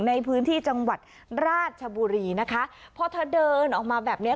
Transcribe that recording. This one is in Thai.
ในพื้นที่จังหวัดราชบุรีนะคะพอเธอเดินออกมาแบบเนี้ย